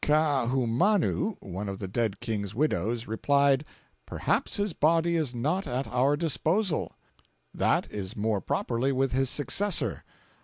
] Kaahumanu (one of the dead King's widows) replied, 'Perhaps his body is not at our disposal; that is more properly with his successor.